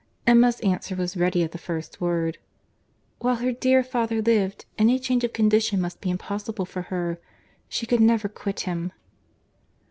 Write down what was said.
Emma's answer was ready at the first word. "While her dear father lived, any change of condition must be impossible for her. She could never quit him."